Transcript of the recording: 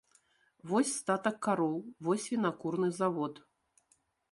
Вось статак кароў, вось вінакурны завод.